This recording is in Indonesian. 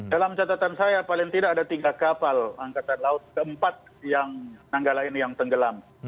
dalam catatan saya paling tidak ada tiga kapal angkatan laut keempat yang nanggala ini yang tenggelam